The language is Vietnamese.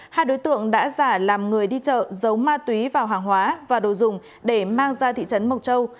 hai đối tượng đã giả làm người đi chợ giấu ma túy vào hàng hóa và đồ dùng để mang ra thị trấn mộc châu